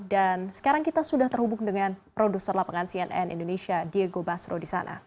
dan sekarang kita sudah terhubung dengan produser lapangan cnn indonesia diego basro di sana